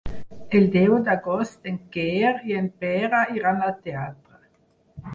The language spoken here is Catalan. El deu d'agost en Quer i en Pere iran al teatre.